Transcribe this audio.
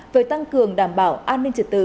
với tăng cường đảm bảo an ninh trật tự